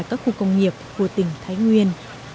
cả các khu công nghiệp của tỉnh thái nguyên